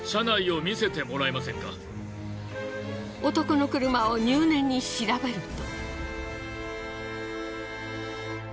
男の車を入念に調べると。